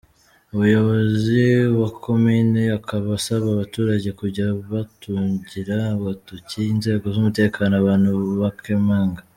Umuyobozi wa komini akaba asaba abaturage kujya batungira agatoki inzego z’umutekano abantu bakemanga.